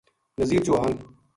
نزیر چوہان